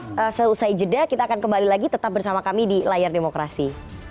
kita selesai jeda kita akan kembali lagi tetap bersama kami di layar demokrasi